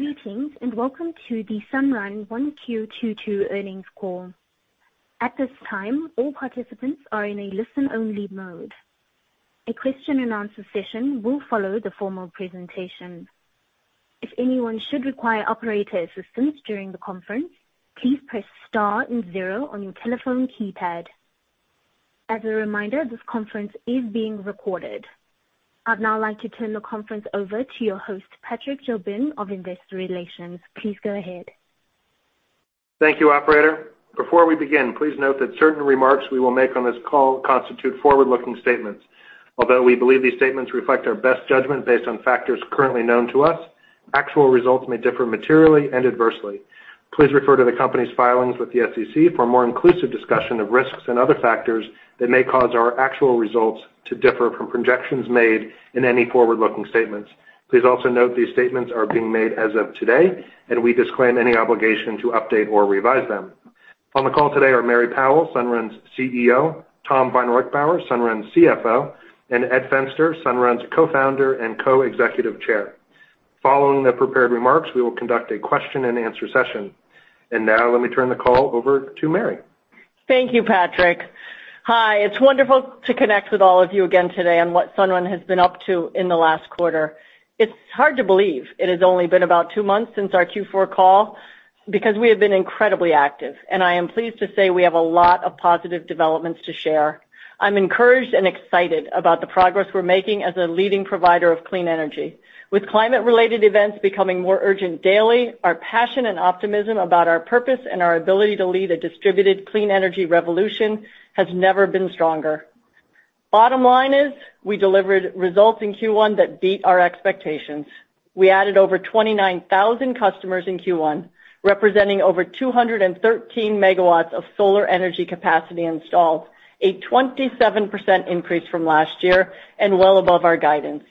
Greetings, and welcome to the Sunrun 1Q22 earnings call. At this time, all participants are in a listen-only mode. A question and answer session will follow the formal presentation. If anyone should require operator assistance during the conference, please press star and zero on your telephone keypad. As a reminder, this conference is being recorded. I'd now like to turn the conference over to your host, Patrick Jobin of Investor Relations. Please go ahead. Thank you, operator. Before we begin, please note that certain remarks we will make on this call constitute forward-looking statements. Although we believe these statements reflect our best judgment based on factors currently known to us, actual results may differ materially and adversely. Please refer to the company's filings with the SEC for a more inclusive discussion of risks and other factors that may cause our actual results to differ from projections made in any forward-looking statements. Please also note these statements are being made as of today, and we disclaim any obligation to update or revise them. On the call today are Mary Powell, Sunrun's CEO, Tom vonReichbauer, Sunrun's CFO, and Ed Fenster, Sunrun's Co-Founder and Co-Executive Chair. Following the prepared remarks, we will conduct a question-and-answer session. Now let me turn the call over to Mary. Thank you, Patrick. Hi, it's wonderful to connect with all of you again today on what Sunrun has been up to in the last quarter. It's hard to believe it has only been about 2 months since our Q4 call because we have been incredibly active, and I am pleased to say we have a lot of positive developments to share. I'm encouraged and excited about the progress we're making as a leading provider of clean energy. With climate-related events becoming more urgent daily, our passion and optimism about our purpose and our ability to lead a distributed clean energy revolution has never been stronger. Bottom line is we delivered results in Q1 that beat our expectations. We added over 29,000 customers in Q1, representing over 213 MW of solar energy capacity installed, a 27% increase from last year and well above our guidance.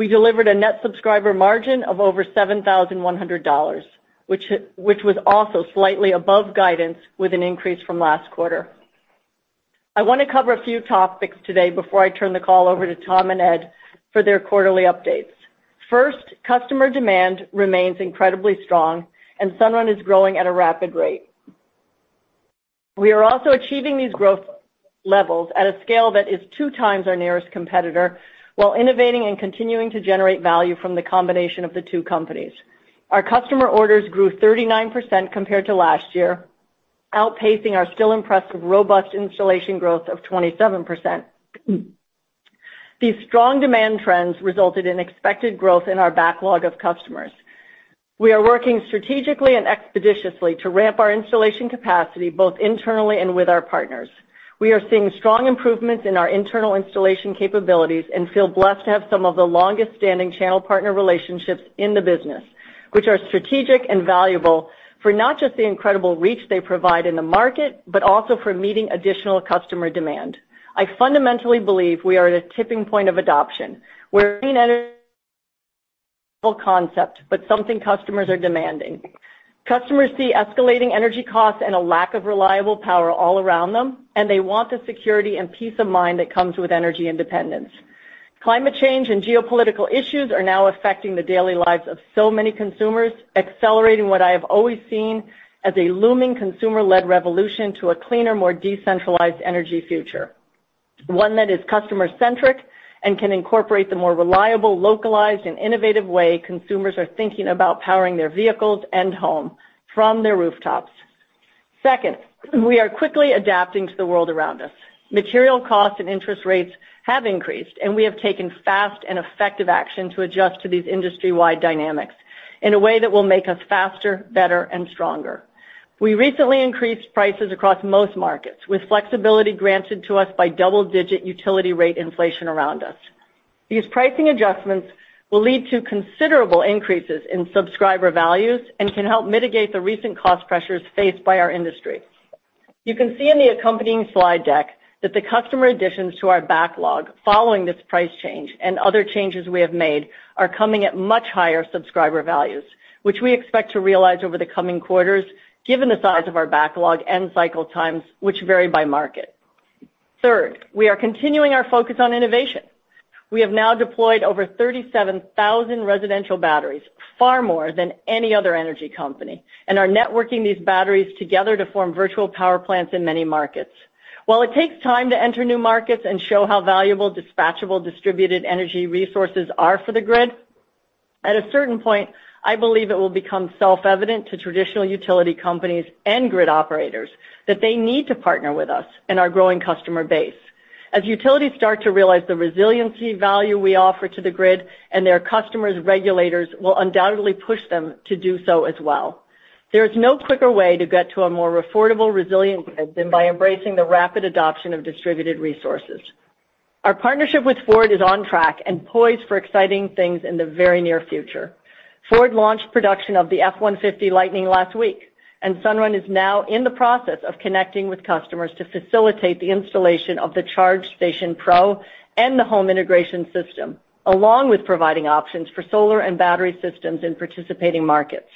We delivered a net subscriber margin of over $7,100, which was also slightly above guidance with an increase from last quarter. I wanna cover a few topics today before I turn the call over to Tom and Ed for their quarterly updates. First, customer demand remains incredibly strong, and Sunrun is growing at a rapid rate. We are also achieving these growth levels at a scale that is 2x our nearest competitor, while innovating and continuing to generate value from the combination of the two companies. Our customer orders grew 39% compared to last year, outpacing our still impressive robust installation growth of 27%. These strong demand trends resulted in expected growth in our backlog of customers. We are working strategically and expeditiously to ramp our installation capacity, both internally and with our partners. We are seeing strong improvements in our internal installation capabilities and feel blessed to have some of the longest-standing channel partner relationships in the business, which are strategic and valuable for not just the incredible reach they provide in the market, but also for meeting additional customer demand. I fundamentally believe we are at a tipping point of adoption, where clean energy concept, but something customers are demanding. Customers see escalating energy costs and a lack of reliable power all around them, and they want the security and peace of mind that comes with energy independence. Climate change and geopolitical issues are now affecting the daily lives of so many consumers, accelerating what I have always seen as a looming consumer-led revolution to a cleaner, more decentralized energy future, one that is customer-centric and can incorporate the more reliable, localized, and innovative way consumers are thinking about powering their vehicles and home from their rooftops. Second, we are quickly adapting to the world around us. Material costs and interest rates have increased, and we have taken fast and effective action to adjust to these industry-wide dynamics in a way that will make us faster, better, and stronger. We recently increased prices across most markets, with flexibility granted to us by double-digit utility rate inflation around us. These pricing adjustments will lead to considerable increases in Subscriber Values and can help mitigate the recent cost pressures faced by our industry. You can see in the accompanying slide deck that the customer additions to our backlog following this price change and other changes we have made are coming at much higher Subscriber Values, which we expect to realize over the coming quarters given the size of our backlog and cycle times which vary by market. Third, we are continuing our focus on innovation. We have now deployed over 37,000 residential batteries, far more than any other energy company, and are networking these batteries together to form virtual power plants in many markets. While it takes time to enter new markets and show how valuable dispatchable distributed energy resources are for the grid, at a certain point, I believe it will become self-evident to traditional utility companies and grid operators that they need to partner with us and our growing customer base. As utilities start to realize the resiliency value we offer to the grid, and their customers' regulators will undoubtedly push them to do so as well. There is no quicker way to get to a more affordable resilient grid than by embracing the rapid adoption of distributed resources. Our partnership with Ford is on track and poised for exciting things in the very near future. Ford launched production of the F-150 Lightning last week, and Sunrun is now in the process of connecting with customers to facilitate the installation of the Ford Charge Station Pro and the Home Integration System, along with providing options for solar and battery systems in participating markets.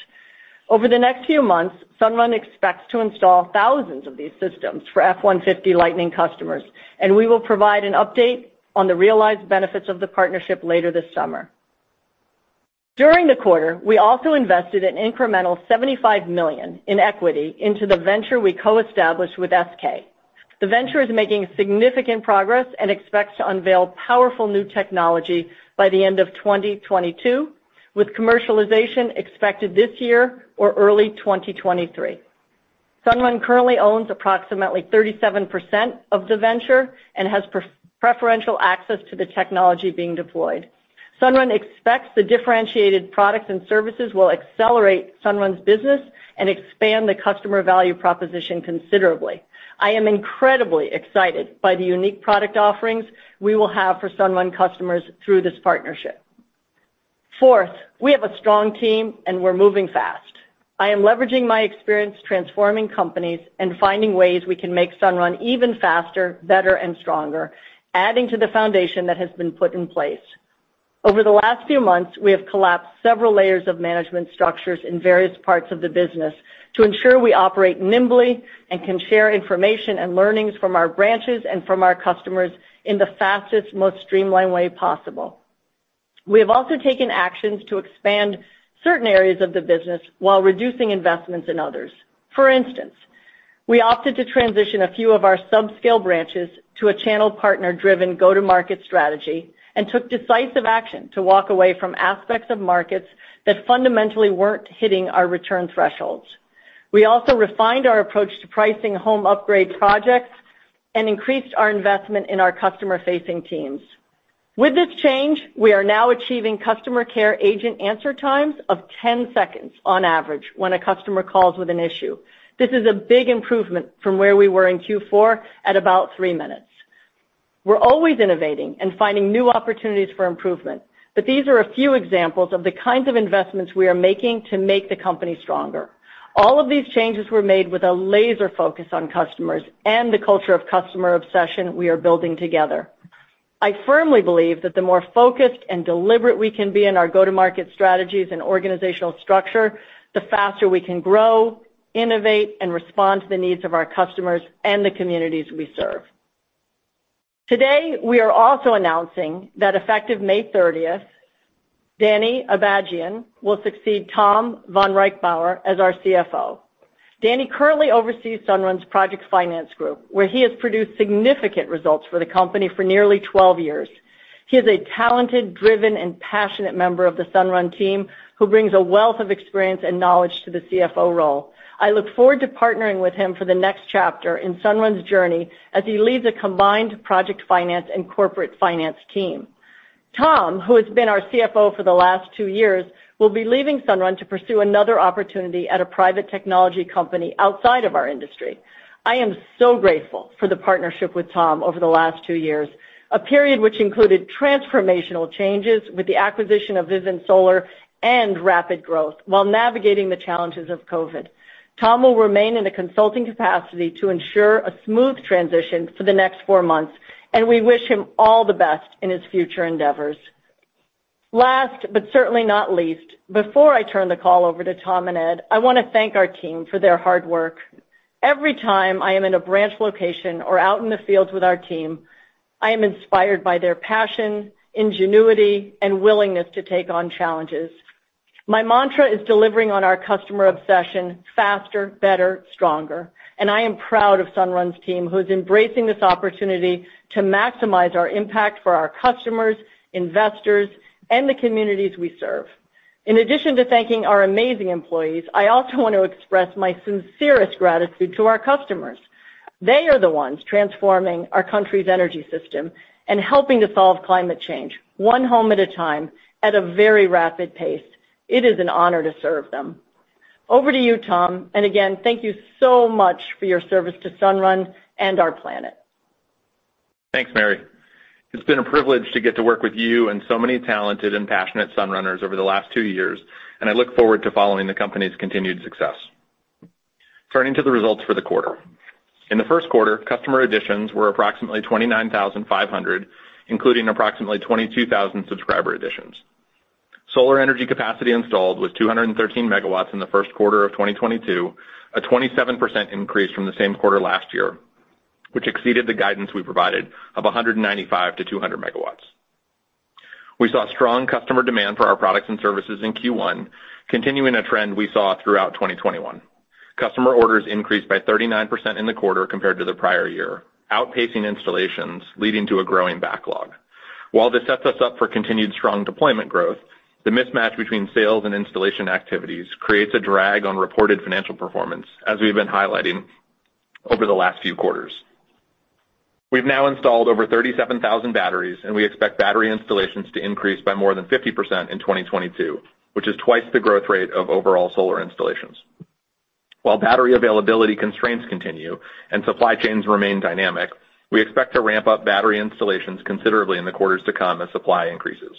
Over the next few months, Sunrun expects to install thousands of these systems for F-150 Lightning customers, and we will provide an update on the realized benefits of the partnership later this summer. During the quarter, we also invested an incremental $75 million in equity into the venture we co-established with SK. The venture is making significant progress and expects to unveil powerful new technology by the end of 2022, with commercialization expected this year or early 2023. Sunrun currently owns approximately 37% of the venture and has preferential access to the technology being deployed. Sunrun expects the differentiated products and services will accelerate Sunrun's business and expand the customer value proposition considerably. I am incredibly excited by the unique product offerings we will have for Sunrun customers through this partnership. Fourth, we have a strong team, and we're moving fast. I am leveraging my experience transforming companies and finding ways we can make Sunrun even faster, better, and stronger, adding to the foundation that has been put in place. Over the last few months, we have collapsed several layers of management structures in various parts of the business to ensure we operate nimbly and can share information and learnings from our branches and from our customers in the fastest, most streamlined way possible. We have also taken actions to expand certain areas of the business while reducing investments in others. For instance, we opted to transition a few of our sub-scale branches to a channel partner-driven go-to-market strategy and took decisive action to walk away from aspects of markets that fundamentally weren't hitting our return thresholds. We also refined our approach to pricing home upgrade projects and increased our investment in our customer-facing teams. With this change, we are now achieving customer care agent answer times of 10 seconds on average when a customer calls with an issue. This is a big improvement from where we were in Q4 at about 3 minutes. We're always innovating and finding new opportunities for improvement, but these are a few examples of the kinds of investments we are making to make the company stronger. All of these changes were made with a laser focus on customers and the culture of customer obsession we are building together. I firmly believe that the more focused and deliberate we can be in our go-to-market strategies and organizational structure, the faster we can grow, innovate, and respond to the needs of our customers and the communities we serve. Today, we are also announcing that effective May thirtieth, Danny Abajian will succeed Tom vonReichbauer as our CFO. Danny currently oversees Sunrun's project finance group, where he has produced significant results for the company for nearly 12 years. He is a talented, driven, and passionate member of the Sunrun team who brings a wealth of experience and knowledge to the CFO role. I look forward to partnering with him for the next chapter in Sunrun's journey as he leads a combined project finance and corporate finance team. Tom, who has been our CFO for the last two years, will be leaving Sunrun to pursue another opportunity at a private technology company outside of our industry. I am so grateful for the partnership with Tom over the last two years, a period which included transformational changes with the acquisition of Vivint Solar and rapid growth while navigating the challenges of COVID. Tom will remain in a consulting capacity to ensure a smooth transition for the next four months, and we wish him all the best in his future endeavors. Last, but certainly not least, before I turn the call over to Tom and Ed, I wanna thank our team for their hard work. Every time I am in a branch location or out in the fields with our team, I am inspired by their passion, ingenuity, and willingness to take on challenges. My mantra is delivering on our customer obsession faster, better, stronger, and I am proud of Sunrun's team who is embracing this opportunity to maximize our impact for our customers, investors, and the communities we serve. In addition to thanking our amazing employees, I also want to express my sincerest gratitude to our customers. They are the ones transforming our country's energy system and helping to solve climate change one home at a time at a very rapid pace. It is an honor to serve them. Over to you, Tom, and again, thank you so much for your service to Sunrun and our planet. Thanks, Mary. It's been a privilege to get to work with you and so many talented and passionate Sunrunners over the last two years, and I look forward to following the company's continued success. Turning to the results for the quarter. In the first quarter, customer additions were approximately 29,500, including approximately 22,000 subscriber additions. Solar energy capacity installed was 213 MW in the first quarter of 2022, a 27% increase from the same quarter last year, which exceeded the guidance we provided of 195-200 MW. We saw strong customer demand for our products and services in Q1, continuing a trend we saw throughout 2021. Customer orders increased by 39% in the quarter compared to the prior year, outpacing installations, leading to a growing backlog. While this sets us up for continued strong deployment growth, the mismatch between sales and installation activities creates a drag on reported financial performance as we've been highlighting over the last few quarters. We've now installed over 37,000 batteries, and we expect battery installations to increase by more than 50% in 2022, which is twice the growth rate of overall solar installations. While battery availability constraints continue and supply chains remain dynamic, we expect to ramp up battery installations considerably in the quarters to come as supply increases.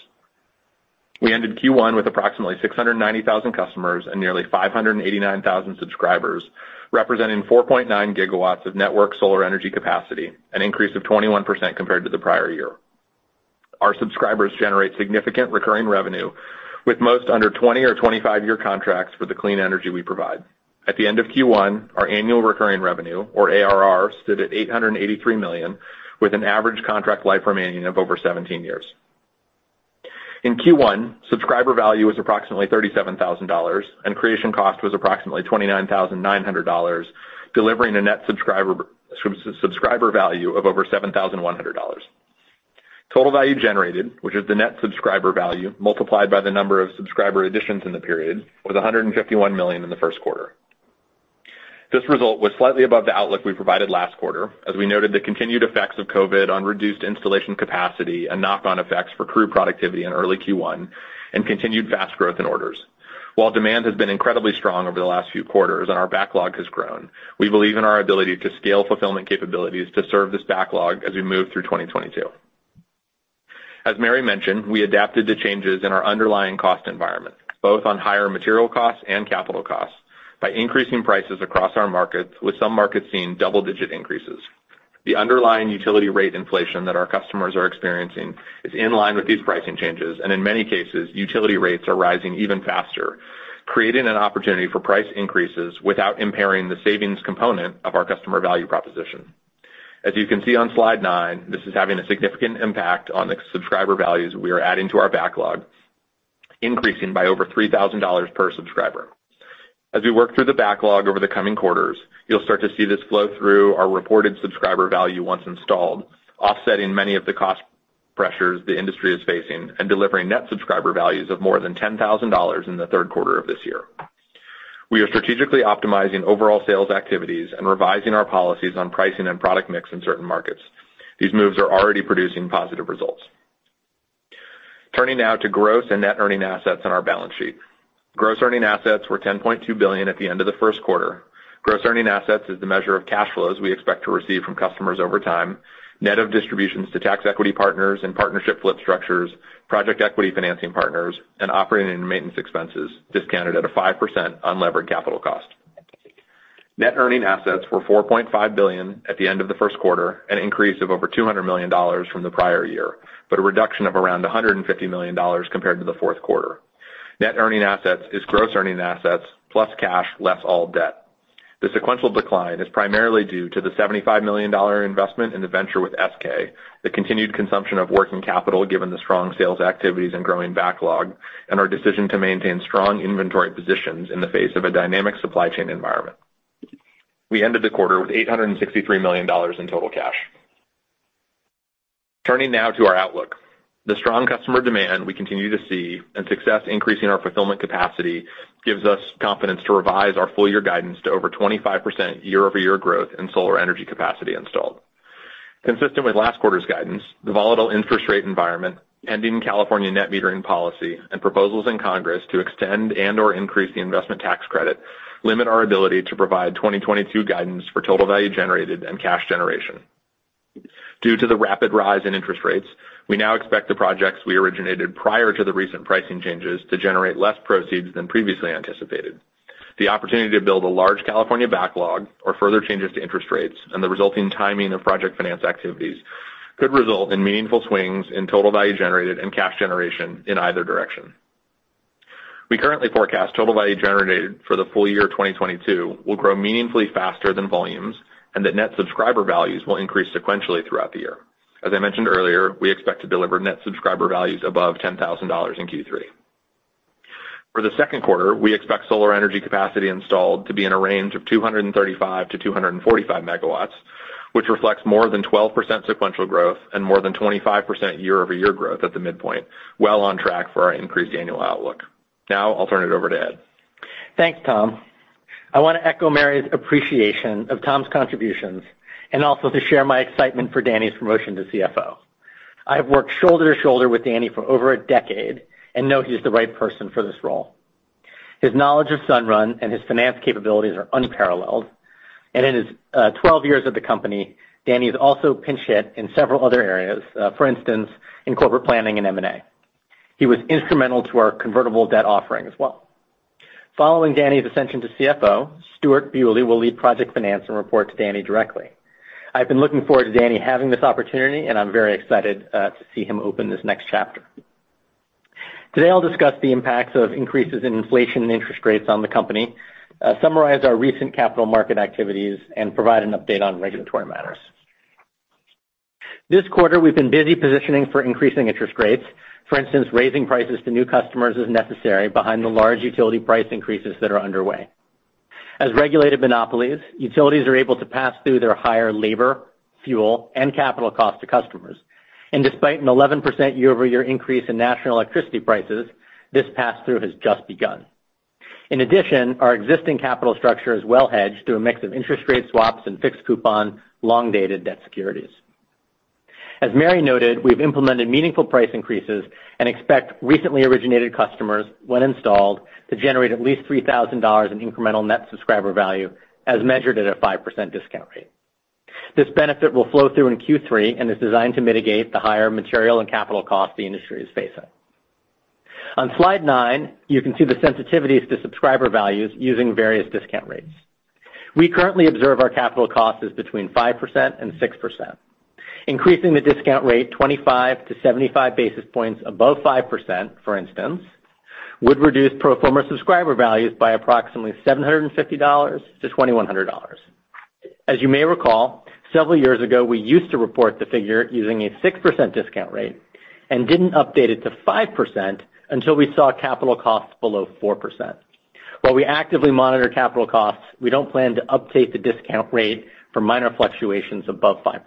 We ended Q1 with approximately 690,000 customers and nearly 589,000 subscribers, representing 4.9 GW of network solar energy capacity, an increase of 21% compared to the prior year. Our subscribers generate significant recurring revenue with most under 20- or 25-year contracts for the clean energy we provide. At the end of Q1, our annual recurring revenue or ARR stood at $883 million, with an average contract life remaining of over 17 years. In Q1, Subscriber Value was approximately $37,000, and Creation Cost was approximately $29,900, delivering a Net Subscriber Value of over $7,100. Total Value Generated, which is the Net Subscriber Value multiplied by the number of subscriber additions in the period, was $151 million in the first quarter. This result was slightly above the outlook we provided last quarter, as we noted the continued effects of COVID on reduced installation capacity and knock on effects for crew productivity in early Q1 and continued fast growth in orders. While demand has been incredibly strong over the last few quarters and our backlog has grown, we believe in our ability to scale fulfillment capabilities to serve this backlog as we move through 2022. As Mary mentioned, we adapted to changes in our underlying cost environment, both on higher material costs and capital costs by increasing prices across our markets with some markets seeing double-digit increases. The underlying utility rate inflation that our customers are experiencing is in line with these pricing changes, and in many cases, utility rates are rising even faster, creating an opportunity for price increases without impairing the savings component of our customer value proposition. As you can see on slide 9, this is having a significant impact on the subscriber values we are adding to our backlog, increasing by over $3,000 per subscriber. As we work through the backlog over the coming quarters, you'll start to see this flow through our reported Subscriber Value once installed, offsetting many of the cost pressures the industry is facing and delivering Net Subscriber Values of more than $10,000 in the third quarter of this year. We are strategically optimizing overall sales activities and revising our policies on pricing and product mix in certain markets. These moves are already producing positive results. Turning now to Gross and Net Earning Assets on our balance sheet. Gross Earning Assets were $10.2 billion at the end of the first quarter. Gross Earning Assets is the measure of cash flows we expect to receive from customers over time, net of distributions to tax equity partners and partnership flip structures, project equity financing partners, and operating and maintenance expenses discounted at a 5% unlevered cost of capital. Net Earning Assets were $4.5 billion at the end of the first quarter, an increase of over $200 million from the prior year, but a reduction of around $150 million compared to the fourth quarter. Net Earning Assets is Gross Earning Assets plus cash, less all debt. The sequential decline is primarily due to the $75 million investment in the venture with SK, the continued consumption of working capital given the strong sales activities and growing backlog, and our decision to maintain strong inventory positions in the face of a dynamic supply chain environment. We ended the quarter with $863 million in total cash. Turning now to our outlook. The strong customer demand we continue to see and success increasing our fulfillment capacity gives us confidence to revise our full year guidance to over 25% year-over-year growth in solar energy capacity installed. Consistent with last quarter's guidance, the volatile interest rate environment, pending California net metering policy, and proposals in Congress to extend and/or increase the Investment Tax Credit limit our ability to provide 2022 guidance for Total Value Generated and cash generation. Due to the rapid rise in interest rates, we now expect the projects we originated prior to the recent pricing changes to generate less proceeds than previously anticipated. The opportunity to build a large California backlog or further changes to interest rates and the resulting timing of project finance activities could result in meaningful swings in Total Value Generated and cash generation in either direction. We currently forecast total value generated for the full year 2022 will grow meaningfully faster than volumes, and that net subscriber values will increase sequentially throughout the year. As I mentioned earlier, we expect to deliver net subscriber values above $10,000 in Q3. For the second quarter, we expect solar energy capacity installed to be in a range of 235-245 MW, which reflects more than 12% sequential growth and more than 25% year-over-year growth at the midpoint, well on track for our increased annual outlook. Now I'll turn it over to Ed Fenster. Thanks, Tom. I want to echo Mary's appreciation of Tom's contributions and also to share my excitement for Danny's promotion to CFO. I have worked shoulder to shoulder with Danny for over a decade and know he's the right person for this role. His knowledge of Sunrun and his finance capabilities are unparalleled, and in his 12 years at the company, Danny has also pinch hit in several other areas, for instance, in corporate planning and M&A. He was instrumental to our convertible debt offering as well. Following Danny's ascension to CFO, Stewart Bewley will lead project finance and report to Danny directly. I've been looking forward to Danny having this opportunity, and I'm very excited to see him open this next chapter. Today, I'll discuss the impacts of increases in inflation and interest rates on the company, summarize our recent capital market activities, and provide an update on regulatory matters. This quarter, we've been busy positioning for increasing interest rates, for instance, raising prices to new customers as necessary behind the large utility price increases that are underway. As regulated monopolies, utilities are able to pass through their higher labor, fuel, and capital cost to customers. Despite an 11% year-over-year increase in national electricity prices, this pass-through has just begun. In addition, our existing capital structure is well hedged through a mix of interest rate swaps and fixed coupon, long-dated debt securities. As Mary noted, we've implemented meaningful price increases and expect recently originated customers when installed to generate at least $3,000 in incremental net subscriber value as measured at a 5% discount rate. This benefit will flow through in Q3 and is designed to mitigate the higher material and capital costs the industry is facing. On slide 9, you can see the sensitivities to Subscriber Values using various discount rates. We currently observe our capital costs as between 5% and 6%. Increasing the discount rate 25-75 basis points above 5%, for instance, would reduce pro forma Subscriber Values by approximately $750-$2,100. As you may recall, several years ago, we used to report the figure using a 6% discount rate and didn't update it to 5% until we saw capital costs below 4%. While we actively monitor capital costs, we don't plan to update the discount rate for minor fluctuations above 5%.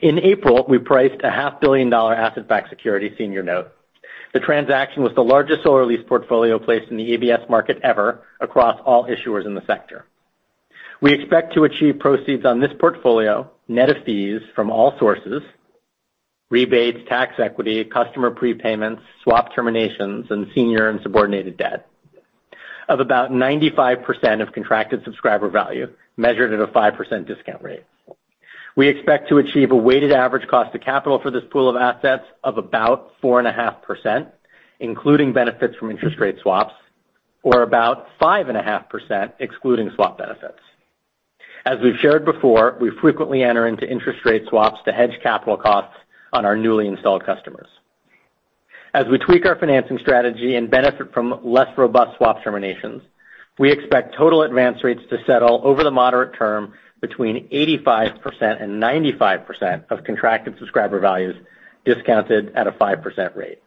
In April, we priced a half-billion-dollar asset-backed security senior note. The transaction was the largest solar lease portfolio placed in the ABS market ever across all issuers in the sector. We expect to achieve proceeds on this portfolio net of fees from all sources, rebates, tax equity, customer prepayments, swap terminations, and senior and subordinated debt of about 95% of contracted Subscriber Value, measured at a 5% discount rate. We expect to achieve a weighted average cost of capital for this pool of assets of about 4.5%, including benefits from interest rate swaps, or about 5.5% excluding swap benefits. As we've shared before, we frequently enter into interest rate swaps to hedge capital costs on our newly installed customers. As we tweak our financing strategy and benefit from less robust swap terminations, we expect total advance rates to settle over the moderate term between 85%-95% of contracted subscriber values discounted at a 5% rate.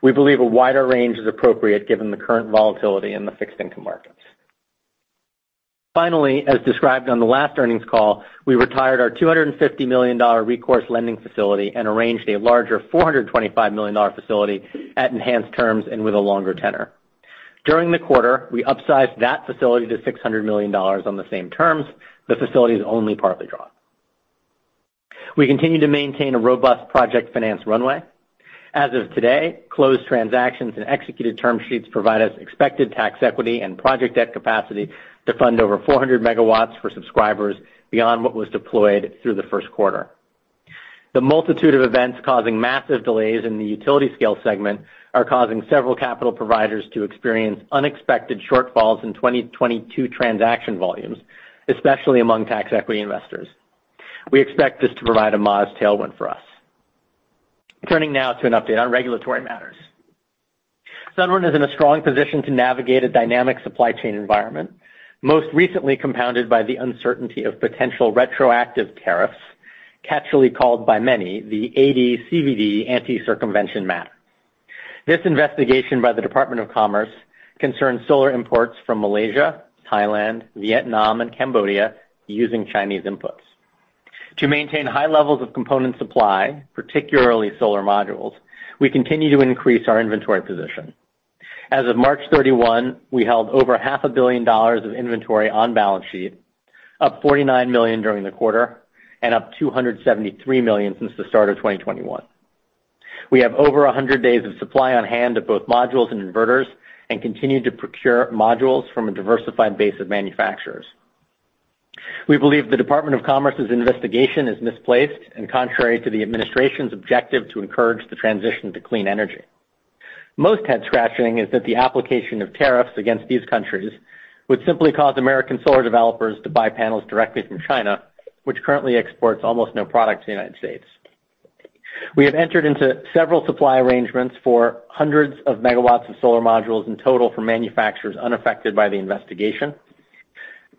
We believe a wider range is appropriate given the current volatility in the fixed income markets. Finally, as described on the last earnings call, we retired our $250 million recourse lending facility and arranged a larger $425 million facility at enhanced terms and with a longer tenor. During the quarter, we upsized that facility to $600 million on the same terms. The facility is only partly drawn. We continue to maintain a robust project finance runway. As of today, closed transactions and executed term sheets provide us expected tax equity and project debt capacity to fund over 400 megawatts for subscribers beyond what was deployed through the first quarter. The multitude of events causing massive delays in the utility scale segment are causing several capital providers to experience unexpected shortfalls in 2022 transaction volumes, especially among tax equity investors. We expect this to provide a modest tailwind for us. Turning now to an update on regulatory matters. Sunrun is in a strong position to navigate a dynamic supply chain environment, most recently compounded by the uncertainty of potential retroactive tariffs, catchily called by many the AD/CVD anti-circumvention matter. This investigation by the Department of Commerce concerns solar imports from Malaysia, Thailand, Vietnam, and Cambodia using Chinese inputs. To maintain high levels of component supply, particularly solar modules, we continue to increase our inventory position. As of March 31, we held over half a billion dollars of inventory on balance sheet, up $49 million during the quarter and up $273 million since the start of 2021. We have over 100 days of supply on hand of both modules and inverters and continue to procure modules from a diversified base of manufacturers. We believe the Department of Commerce's investigation is misplaced and contrary to the administration's objective to encourage the transition to clean energy. Most head-scratching is that the application of tariffs against these countries would simply cause American solar developers to buy panels directly from China, which currently exports almost no product to the United States. We have entered into several supply arrangements for hundreds of megawatts of solar modules in total from manufacturers unaffected by the investigation.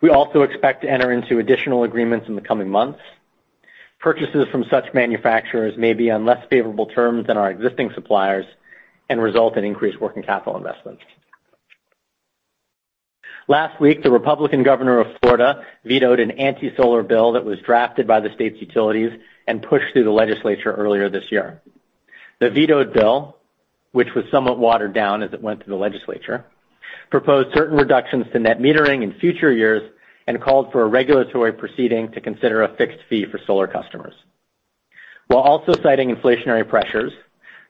We also expect to enter into additional agreements in the coming months. Purchases from such manufacturers may be on less favorable terms than our existing suppliers and result in increased working capital investments. Last week, the Republican Governor of Florida vetoed an anti-solar bill that was drafted by the state's utilities and pushed through the legislature earlier this year. The vetoed bill, which was somewhat watered down as it went through the legislature, proposed certain reductions to net metering in future years and called for a regulatory proceeding to consider a fixed fee for solar customers. While also citing inflationary pressures,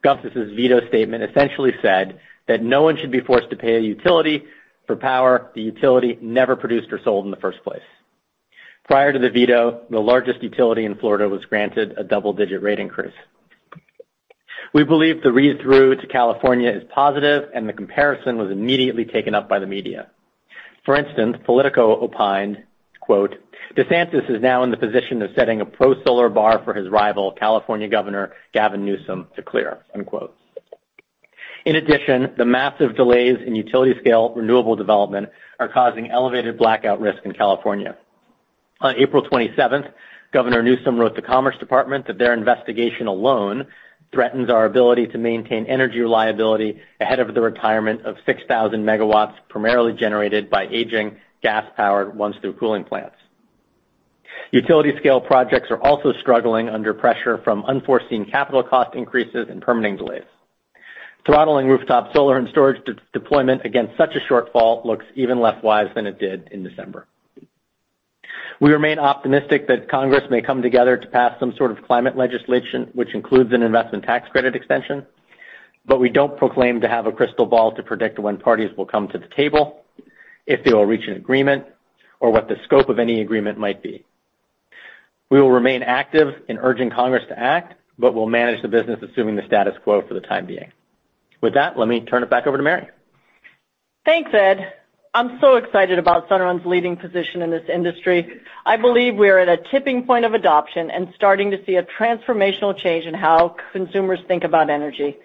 DeSantis' veto statement essentially said that no one should be forced to pay a utility for power the utility never produced or sold in the first place. Prior to the veto, the largest utility in Florida was granted a double-digit rate increase. We believe the read-through to California is positive, and the comparison was immediately taken up by the media. For instance, Politico opined, quote, "DeSantis is now in the position of setting a pro-solar bar for his rival, California Governor Gavin Newsom, to clear." Unquote. In addition, the massive delays in utility-scale renewable development are causing elevated blackout risk in California. On April 27, Governor Newsom wrote to Commerce Department that their investigation alone threatens our ability to maintain energy reliability ahead of the retirement of 6,000 MW, primarily generated by aging gas-powered once-through cooling plants. Utility-scale projects are also struggling under pressure from unforeseen capital cost increases and permitting delays. Throttling rooftop solar and storage deployment against such a shortfall looks even less wise than it did in December. We remain optimistic that Congress may come together to pass some sort of climate legislation which includes an Investment Tax Credit extension, but we don't proclaim to have a crystal ball to predict when parties will come to the table, if they will reach an agreement, or what the scope of any agreement might be. We will remain active in urging Congress to act, but we'll manage the business assuming the status quo for the time being. With that, let me turn it back over to Mary. Thanks, Ed. I'm so excited about Sunrun's leading position in this industry. I believe we are at a tipping point of adoption and starting to see a transformational change in how consumers think about energy.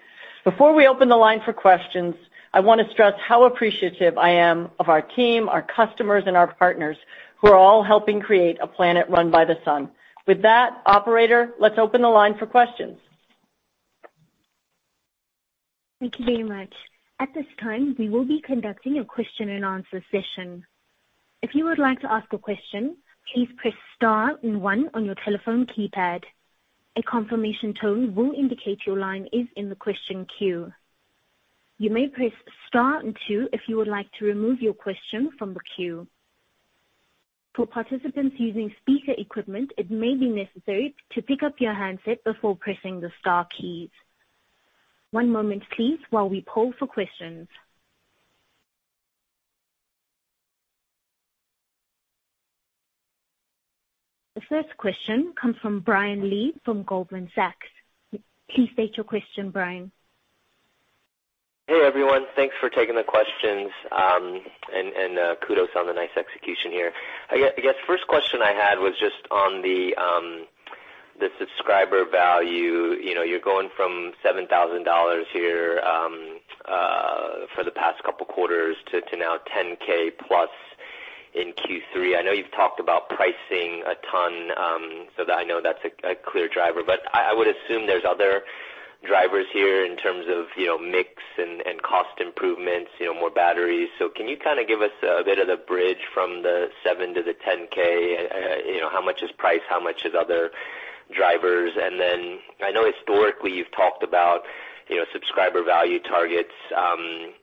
Before we open the line for questions, I want to stress how appreciative I am of our team, our customers, and our partners who are all helping create a planet run by the sun. With that, operator, let's open the line for questions. Thank you very much. At this time, we will be conducting a question-and-answer session. If you would like to ask a question, please press star and one on your telephone keypad. A confirmation tone will indicate your line is in the question queue. You may press star and two if you would like to remove your question from the queue. For participants using speaker equipment, it may be necessary to pick up your handset before pressing the star keys. One moment, please, while we poll for questions. The first question comes from Brian Lee from Goldman Sachs. Please state your question, Brian. Hey, everyone. Thanks for taking the questions, and kudos on the nice execution here. I guess first question I had was just on the Subscriber Value. You know, you're going from $7,000 here for the past couple quarters to now $10,000 plus in Q3. I know you've talked about pricing a ton, so that I know that's a clear driver. I would assume there's other drivers here in terms of, you know, mix and cost improvements, you know, more batteries. Can you kind of give us a bit of the bridge from the $7,000 to the $10,000, you know, how much is price, how much is other drivers? I know historically you've talked about, you know, Subscriber Value targets,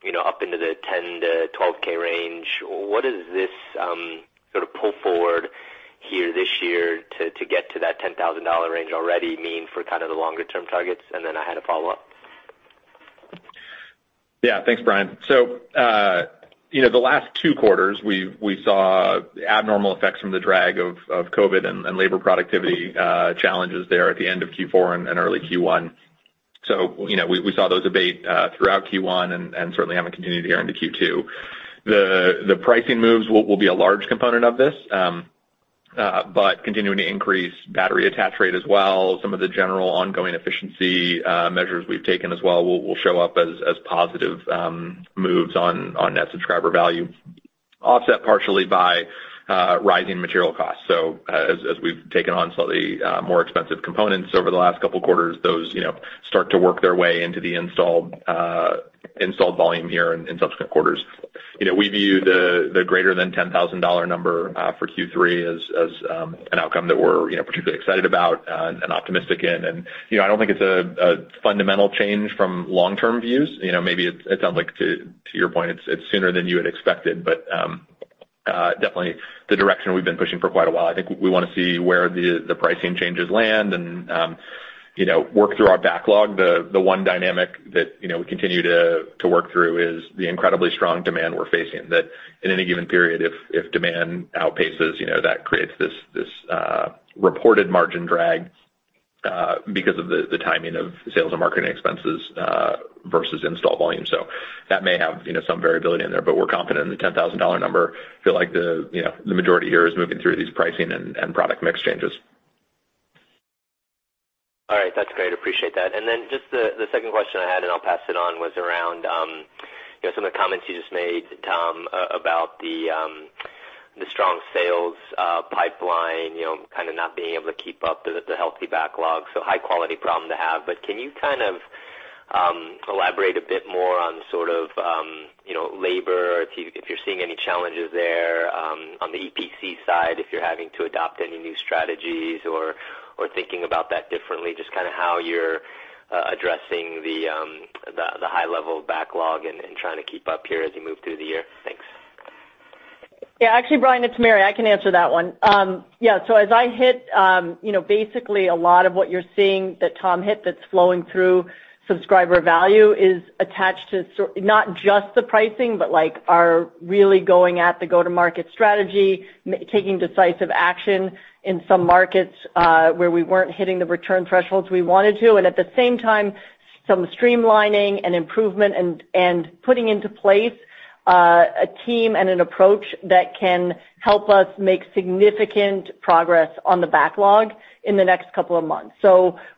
you know, up into the $10K-$12K range. What is this sort of pull forward here this year to get to that $10,000 range already mean for kind of the longer term targets? I had a follow-up. Yeah. Thanks, Brian. You know, the last two quarters, we saw abnormal effects from the drag of COVID and labor productivity challenges there at the end of Q4 and early Q1. You know, we saw those abate throughout Q1 and certainly haven't continued here into Q2. The pricing moves will be a large component of this, but continuing to increase battery attach rate as well, some of the general ongoing efficiency measures we've taken as well will show up as positive moves on Net Subscriber Value, offset partially by rising material costs. As we've taken on slightly more expensive components over the last couple quarters, those you know start to work their way into the installed volume here in subsequent quarters. You know, we view the greater than $10,000 number for Q3 as an outcome that we're, you know, particularly excited about and optimistic in. You know, I don't think it's a fundamental change from long-term views. You know, maybe it sounds like to your point, it's sooner than you had expected, but definitely the direction we've been pushing for quite a while. I think we wanna see where the pricing changes land and, you know, work through our backlog. The one dynamic that, you know, we continue to work through is the incredibly strong demand we're facing, that in any given period, if demand outpaces, you know, that creates this reported margin drag because of the timing of sales and marketing expenses versus install volume. that may have, you know, some variability in there, but we're confident in the $10,000 number. Feel like the, you know, the majority here is moving through these pricing and product mix changes. All right. That's great. Appreciate that. Just the second question I had, and I'll pass it on, was around, you know, some of the comments you just made, Tom, about the strong sales pipeline, you know, kind of not being able to keep up the healthy backlog, so high quality problem to have. Can you kind of elaborate a bit more on sort of, you know, labor too if you're seeing any challenges there, on the EPC side, if you're having to adopt any new strategies or thinking about that differently, just kind of how you're addressing the high level of backlog and trying to keep up here as you move through the year. Thanks. Yeah. Actually, Brian, it's Mary. I can answer that one. Yeah, so as I hit, you know, basically a lot of what you're seeing that Tom hit that's flowing through Subscriber Value is attached to not just the pricing, but, like, our really going at the go-to-market strategy, making decisive action in some markets, where we weren't hitting the return thresholds we wanted to. At the same time, some streamlining and improvement and putting into place a team and an approach that can help us make significant progress on the backlog in the next couple of months.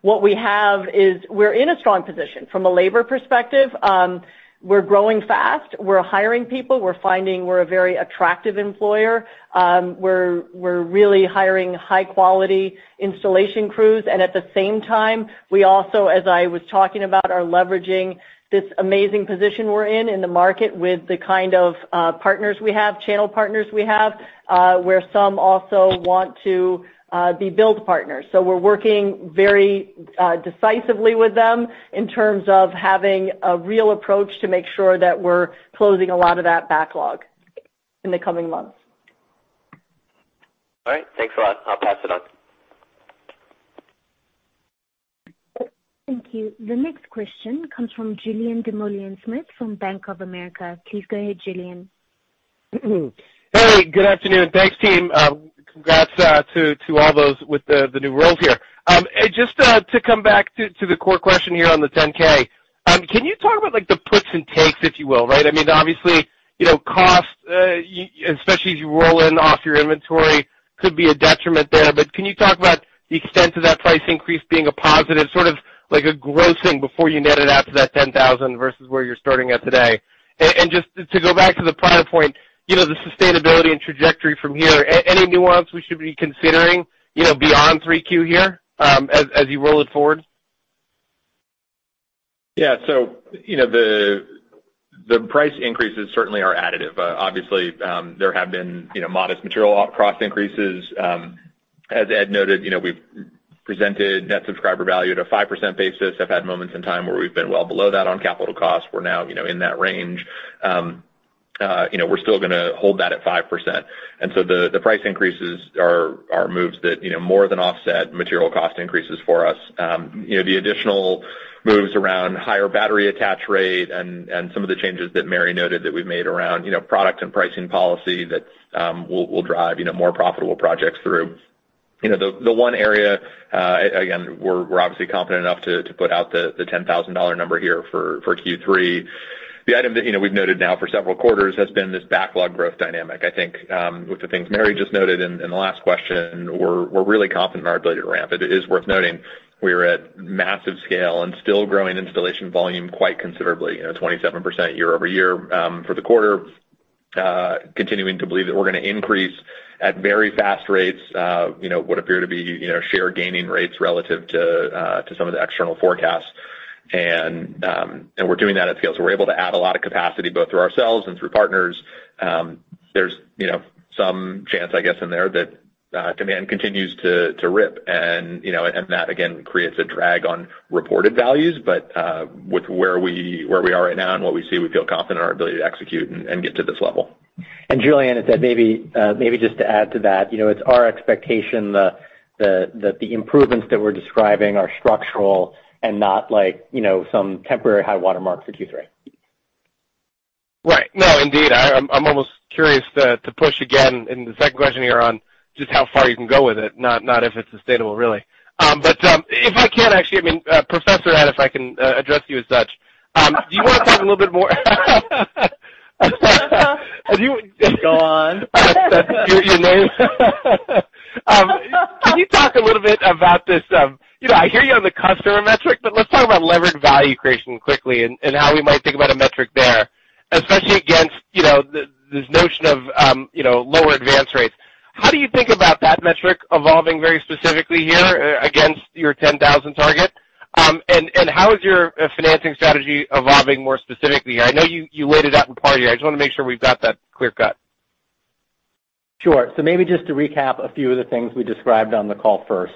What we have is we're in a strong position from a labor perspective. We're growing fast. We're hiring people. We're finding we're a very attractive employer. We're really hiring high-quality installation crews. At the same time, we also, as I was talking about, are leveraging this amazing position we're in in the market with the kind of, partners we have, channel partners we have, where some also want to, be build partners. We're working very, decisively with them in terms of having a real approach to make sure that we're closing a lot of that backlog in the coming months. All right. Thanks a lot. I'll pass it on. Thank you. The next question comes from Julien Dumoulin-Smith from Bank of America. Please go ahead, Julien. Hey, good afternoon. Thanks, team. Congrats to all those with the new roles here. Just to come back to the core question here on the 10-K, can you talk about like the puts and takes, if you will, right? I mean, obviously, you know, cost especially as you roll in off your inventory could be a detriment there. But can you talk about the extent of that price increase being a positive, sort of like a grossing before you net it out to that 10-K versus where you're starting at today? And just to go back to the prior point, you know, the sustainability and trajectory from here, any nuance we should be considering, you know, beyond 3Q here, as you roll it forward? Yeah. You know, the price increases certainly are additive. Obviously, there have been, you know, modest material cost increases. As Ed noted, you know, we've presented Net Subscriber Value at a 5% basis. I've had moments in time where we've been well below that on capital costs. We're now, you know, in that range. You know, we're still gonna hold that at 5%. The price increases are moves that, you know, more than offset material cost increases for us. You know, the additional moves around higher battery attach rate and some of the changes that Mary noted that we've made around, you know, product and pricing policy that will drive, you know, more profitable projects through. You know, the one area, again, we're obviously confident enough to put out the $10,000 number here for Q3. The item that, you know, we've noted now for several quarters has been this backlog growth dynamic. I think, with the things Mary just noted in the last question, we're really confident in our ability to ramp. It is worth noting we are at massive scale and still growing installation volume quite considerably, you know, 27% year-over-year for the quarter. Continuing to believe that we're gonna increase at very fast rates, you know, what appear to be, you know, share gaining rates relative to some of the external forecasts. We're doing that at scale. We're able to add a lot of capacity both through ourselves and through partners. There's, you know, some chance, I guess, in there that demand continues to rip. You know, and that again creates a drag on reported values. With where we are right now and what we see, we feel confident in our ability to execute and get to this level. Julien, it's Ed. Maybe just to add to that. You know, it's our expectation that the improvements that we're describing are structural and not like, you know, some temporary high watermark for Q3. Right. No, indeed. I'm almost curious to push again in the second question here on just how far you can go with it, not if it's sustainable really. But if I can actually, I mean, Professor Ed, if I can address you as such. Do you wanna talk a little bit more? Go on. Your name. Can you talk a little bit about this, you know, I hear you on the customer metric, but let's talk about levered value creation quickly and how we might think about a metric there, especially against, you know, this notion of, you know, lower advance rates. How do you think about that metric evolving very specifically here against your 10,000 target? And how is your financing strategy evolving more specifically? I know you laid it out in part here. I just wanna make sure we've got that clear cut. Sure. Maybe just to recap a few of the things we described on the call first.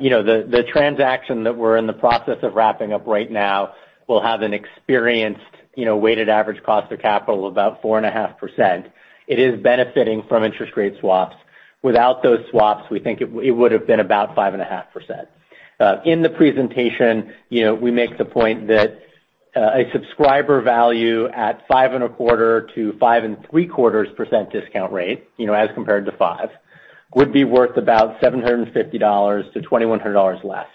You know, the transaction that we're in the process of wrapping up right now will have an expected weighted average cost of capital of about 4.5%. It is benefiting from interest rate swaps. Without those swaps, we think it would've been about 5.5%. In the presentation, you know, we make the point that a Subscriber Value at 5.25%-5.75% discount rate, you know, as compared to 5%, would be worth about $750-$2,100 less.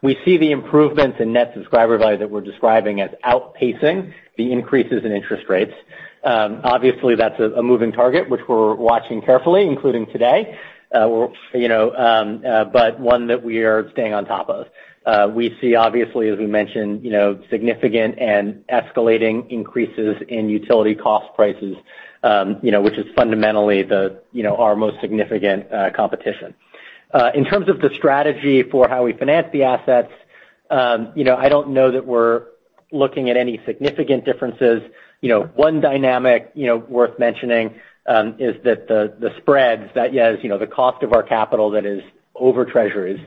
We see the improvements in Net Subscriber Value that we're describing as outpacing the increases in interest rates. Obviously, that's a moving target, which we're watching carefully, including today. You know, one that we are staying on top of. We see obviously, as we mentioned, you know, significant and escalating increases in utility cost prices, you know, which is fundamentally, you know, our most significant competition. In terms of the strategy for how we finance the assets, you know, I don't know that we're looking at any significant differences. You know, one dynamic, you know, worth mentioning, is that the spreads that, as you know, the cost of our capital that is over Treasuries,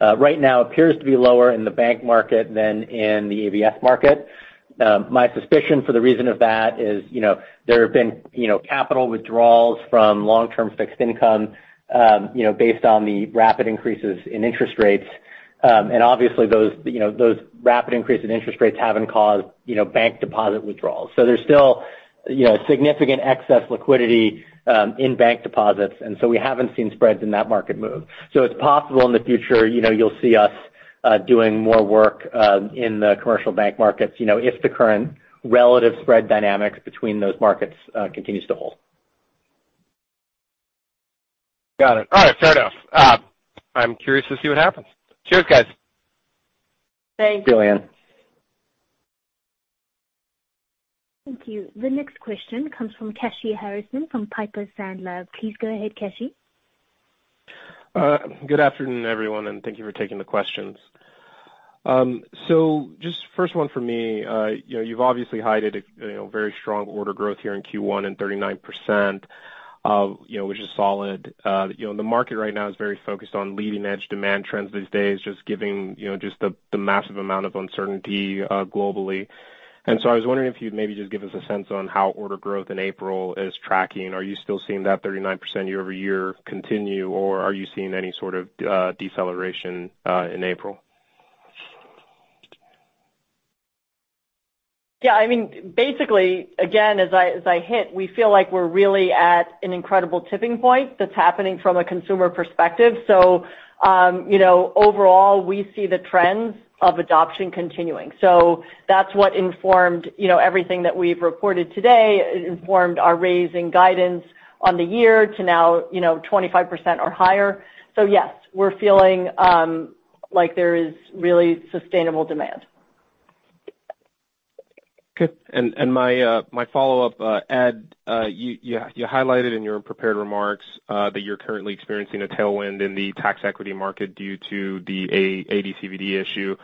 right now appears to be lower in the bank market than in the ABS market. My suspicion for the reason of that is, you know, there have been, you know, capital withdrawals from long-term fixed income, you know, based on the rapid increases in interest rates. Obviously those, you know, those rapid increases in interest rates haven't caused, you know, bank deposit withdrawals. There's still, you know, significant excess liquidity, in bank deposits, and so we haven't seen spreads in that market move. It's possible in the future, you know, you'll see us, doing more work, in the commercial bank markets, you know, if the current relative spread dynamics between those markets, continues to hold. Got it. All right. Fair enough. I'm curious to see what happens. Cheers, guys. Thanks. See you, Julien. Thank you. The next question comes from Kashy Harrison from Piper Sandler. Please go ahead, Kashy. Good afternoon, everyone, and thank you for taking the questions. Just first one for me, you know, you've obviously highlighted, you know, very strong order growth here in Q1 in 39%, you know, which is solid. You know, the market right now is very focused on leading edge demand trends these days, just given the massive amount of uncertainty globally. I was wondering if you'd maybe just give us a sense on how order growth in April is tracking. Are you still seeing that 39% year-over-year continue, or are you seeing any sort of deceleration in April? Yeah, I mean, basically, again, as I hit, we feel like we're really at an incredible tipping point that's happening from a consumer perspective. You know, overall, we see the trends of adoption continuing. That's what informed, you know, everything that we've reported today. It informed our raising guidance on the year to now, you know, 25% or higher. Yes, we're feeling like there is really sustainable demand. Okay. My follow-up, Ed, you highlighted in your prepared remarks that you're currently experiencing a tailwind in the tax equity market due to the AD/CVD issue.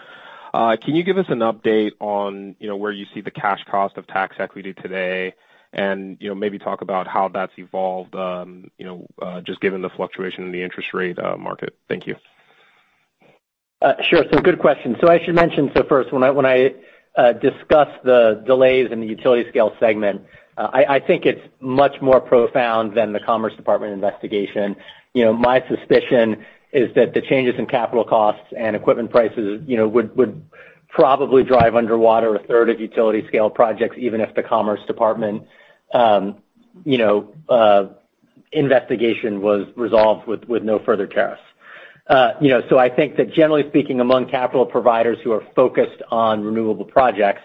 Can you give us an update on, you know, where you see the cash cost of tax equity today and, you know, maybe talk about how that's evolved, you know, just given the fluctuation in the interest rate market? Thank you. Good question. I should mention, first, when I discuss the delays in the utility scale segment, I think it's much more profound than the Commerce Department investigation. You know, my suspicion is that the changes in capital costs and equipment prices, you know, would probably drive underwater a third of utility scale projects, even if the Commerce Department investigation was resolved with no further tariffs. You know, I think that generally speaking, among capital providers who are focused on renewable projects,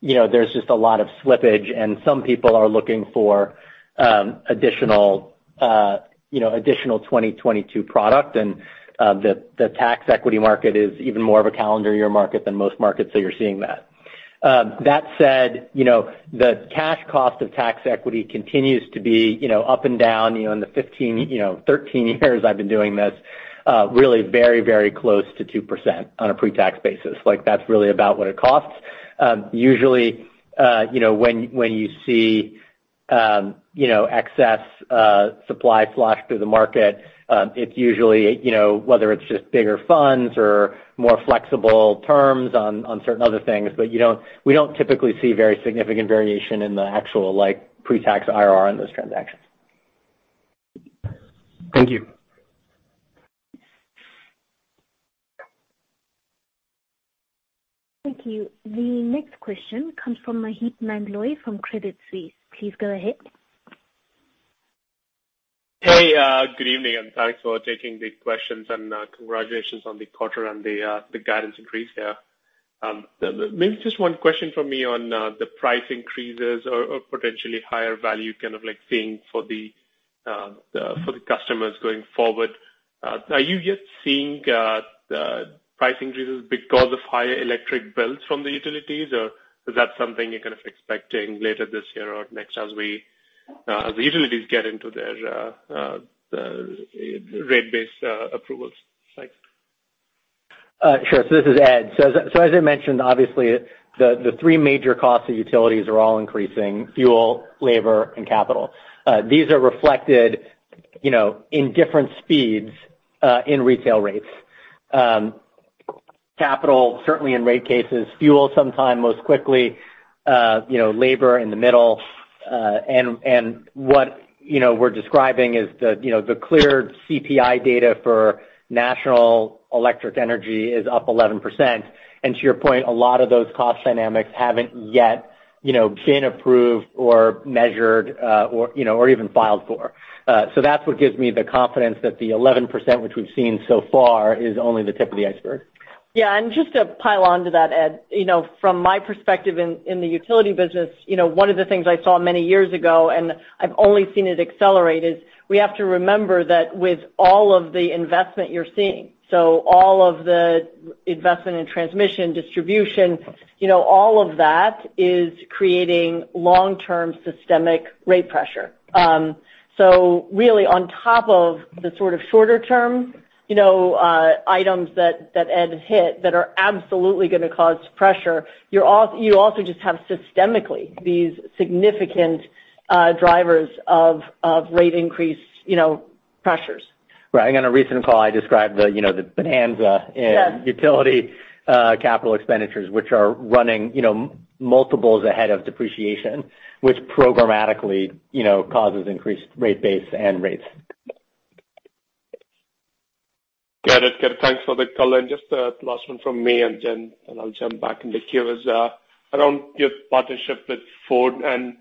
you know, there's just a lot of slippage, and some people are looking for additional 2022 product. The tax equity market is even more of a calendar year market than most markets, so you're seeing that. That said, you know, the cash cost of tax equity continues to be, you know, up and down, you know, in the 15, you know, 13 years I've been doing this, really very close to 2% on a pre-tax basis. Like, that's really about what it costs. Usually, you know, when you see, you know, excess supply flush through the market, it's usually, you know, whether it's just bigger funds or more flexible terms on certain other things, but we don't typically see very significant variation in the actual, like, pre-tax IRR in those transactions. Thank you. Thank you. The next question comes from Maheep Mandloi from Credit Suisse. Please go ahead. Hey, good evening, and thanks for taking the questions, and congratulations on the quarter and the guidance increase here. Maybe just one question from me on the price increases or potentially higher value, kind of like thing for the customers going forward. Are you just seeing price increases because of higher electric bills from the utilities, or is that something you're kind of expecting later this year or next as the utilities get into their rate-based approvals? Thanks. Sure. This is Ed. As I mentioned, obviously, the three major costs of utilities are all increasing, fuel, labor, and capital. These are reflected, you know, in different speeds in retail rates. Capital, certainly in rate cases, fuel sometimes most quickly, you know, labor in the middle. What, you know, we're describing is the, you know, the clear CPI data for national electric energy is up 11%. To your point, a lot of those cost dynamics haven't yet, you know, been approved or measured, or, you know, or even filed for. That's what gives me the confidence that the 11%, which we've seen so far, is only the tip of the iceberg. Yeah, just to pile onto that, Ed, you know, from my perspective in the utility business, you know, one of the things I saw many years ago, and I've only seen it accelerate, is we have to remember that with all of the investment you're seeing, so all of the investment in transmission, distribution, you know, all of that is creating long-term systemic rate pressure. Really, on top of the sort of shorter term, you know, items that Ed hit that are absolutely gonna cause pressure, you also just have systemically these significant drivers of rate increase, you know, pressures. Right. On a recent call, I described the, you know, the bonanza. Yeah In utility capital expenditures, which are running, you know, multiples ahead of depreciation, which programmatically, you know, causes increased rate base and rates. Got it. Good. Thanks for the color. Just last one from me, and then I'll jump back in the queue, is around your partnership with Ford, and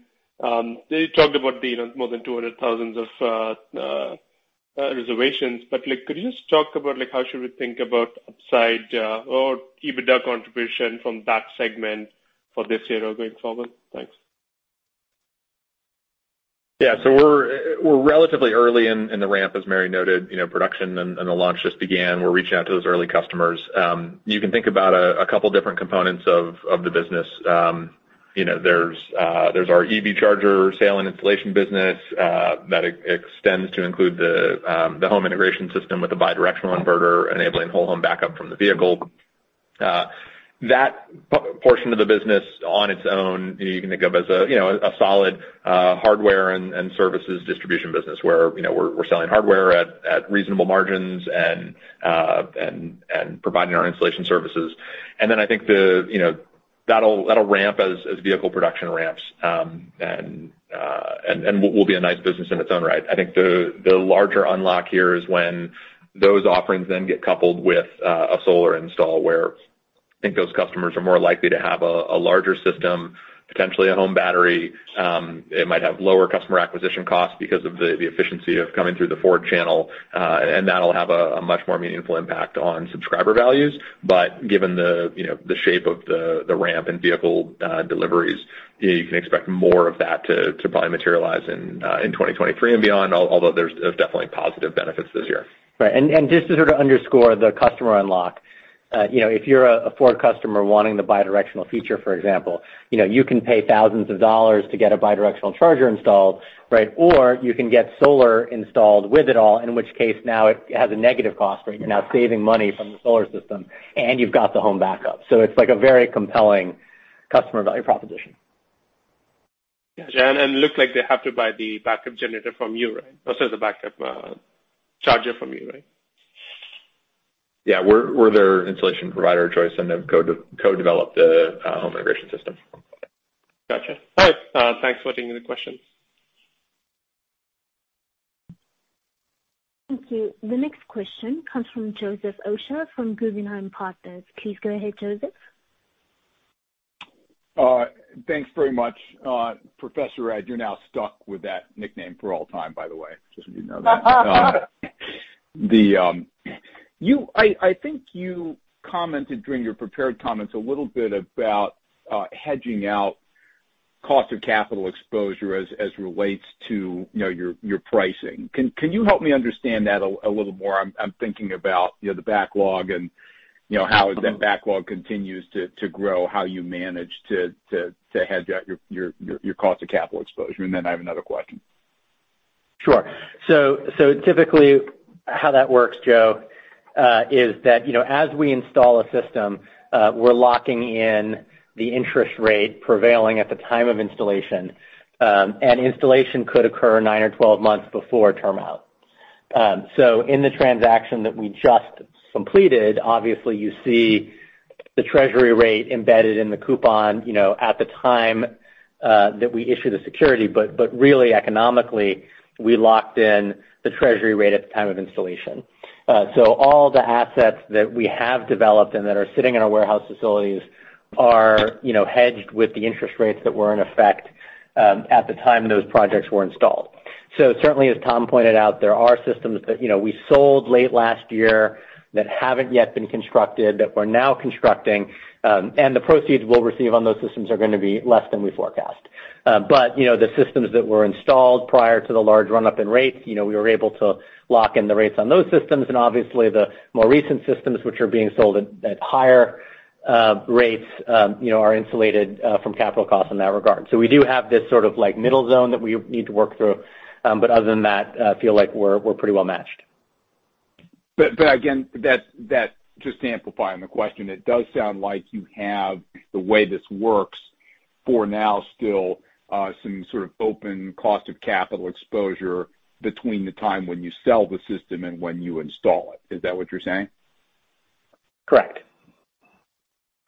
you talked about the, you know, more than 200,000 of reservations. But like, could you just talk about, like, how should we think about upside or EBITDA contribution from that segment for this year or going forward? Thanks. Yeah. We're relatively early in the ramp, as Mary noted. You know, production and the launch just began. We're reaching out to those early customers. You can think about a couple different components of the business. You know, there's our EV charger sale and installation business that extends to include the Home Integration System with a bidirectional inverter enabling whole home backup from the vehicle. That portion of the business on its own, you can think of as a solid hardware and services distribution business where we're selling hardware at reasonable margins and providing our installation services. I think that'll ramp as vehicle production ramps, and will be a nice business in its own right. I think the larger unlock here is when those offerings then get coupled with a solar install, where I think those customers are more likely to have a larger system, potentially a home battery. It might have lower customer acquisition costs because of the efficiency of coming through the Ford channel, and that'll have a much more meaningful impact on subscriber values. Given the, you know, shape of the ramp and vehicle deliveries, you can expect more of that to probably materialize in 2023 and beyond, although there's definitely positive benefits this year. Right. Just to sort of underscore the customer unlock, you know, if you're a Ford customer wanting the bidirectional feature, for example, you know, you can pay thousands of dollars to get a bidirectional charger installed, right? Or you can get solar installed with it all, in which case, now it has a negative cost, right? You're now saving money from the solar system, and you've got the home backup. It's like a very compelling customer value proposition. Yeah. It looks like they have to buy the backup generator from you, right? Also the backup charger from you, right? Yeah. We're their installation provider of choice and then co-develop the Home Integration System. Gotcha. All right. Thanks for taking the questions. Thank you. The next question comes from Joseph Osha from Guggenheim Securities. Please go ahead, Joseph. Thanks very much. Professor, I'm now stuck with that nickname for all time, by the way, just so you know that. I think you commented during your prepared comments a little bit about hedging out cost of capital exposure as it relates to, you know, your pricing. Can you help me understand that a little more? I'm thinking about, you know, the backlog and how that backlog continues to grow, how you manage to hedge out your cost of capital exposure. Then I have another question. Sure. Typically how that works, Joe, is that, you know, as we install a system, we're locking in the interest rate prevailing at the time of installation, and installation could occur 9 or 12 months before term out. In the transaction that we just completed, obviously you see the treasury rate embedded in the coupon, you know, at the time that we issue the security. But really economically, we locked in the treasury rate at the time of installation. All the assets that we have developed and that are sitting in our warehouse facilities are, you know, hedged with the interest rates that were in effect at the time those projects were installed. Certainly, as Tom pointed out, there are systems that, you know, we sold late last year that haven't yet been constructed, that we're now constructing, and the proceeds we'll receive on those systems are gonna be less than we forecast. But, you know, the systems that were installed prior to the large run-up in rates, you know, we were able to lock in the rates on those systems. Obviously the more recent systems which are being sold at higher rates, you know, are insulated from capital costs in that regard. We do have this sort of like middle zone that we need to work through, but other than that, feel like we're pretty well matched. Again, that just to amplify on the question, it does sound like you have the way this works for now still, some sort of open cost of capital exposure between the time when you sell the system and when you install it. Is that what you're saying? Correct.